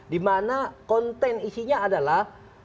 dimana konten isinya adalah